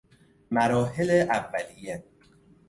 مراحل اولیه